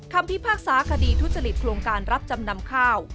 พิพากษาคดีทุจริตโครงการรับจำนำข้าว